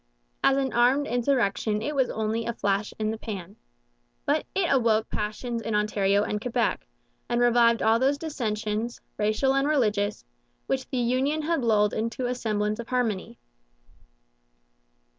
As an armed insurrection it was only a flash in the pan. But it awoke passions in Ontario and Quebec, and revived all those dissensions, racial and religious, which the union had lulled into a semblance of harmony.